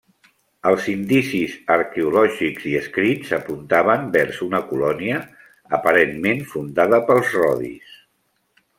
Els indicis arqueològics i escrits apuntaven vers una colònia aparentment fundada pels rodis.